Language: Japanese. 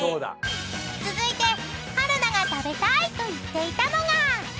［続いて春菜が食べたいと言っていたのが］